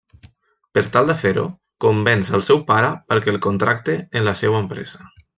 Per tal de fer-ho convenç el seu pare perquè el contracte en la seua empresa.